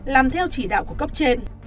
làm theo chỉ đạo của cấp trên